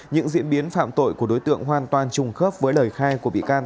những diễn biến phạm tội của đối tượng hoàn toàn trùng khớp với lời khai của bị can